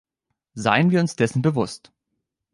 Seien wir uns dessen bewusst!